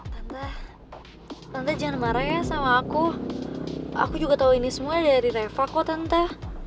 tante jangan marah ya sama aku aku juga tahu ini semua dari reva kok tante